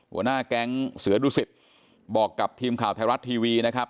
หัวหน้าแก๊งเสือดุสิตบอกกับทีมข่าวไทยรัฐทีวีนะครับ